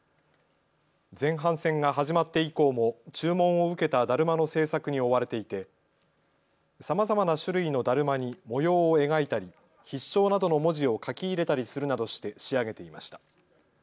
前半戦が始まって以降も注文を受けただるまの製作に追われていてさまざまな種類のだるまに模様を描いたり、必勝などの文字を書き入れたりするなどして仕上げていました。